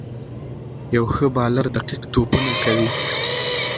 یو ښه بالر دقیق توپونه کوي.